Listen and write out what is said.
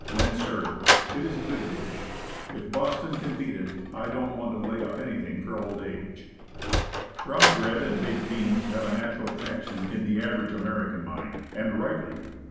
Then serve. It is a good dish. If Boston can beat it, I don't want to lay up anything for old age. Brown bread and baked beans have a natural con nection in the average American mind, and rightly.